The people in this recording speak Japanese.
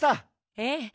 ええ。